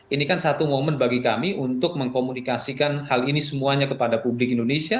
ini kan satu momen bagi kami untuk mengkomunikasikan hal ini semuanya kepada publik indonesia